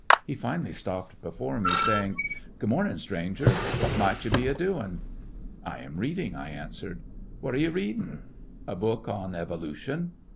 He finally stopped before me, saying: "Grood mornin', stranger ; w'at mought you be a doin' t " "I am reading," I answered. "Wat are you readin' t " "A book on evolution."